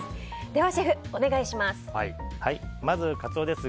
ではシェフ、お願いします。